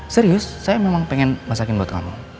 serius saya memang pengen masakin buat kamu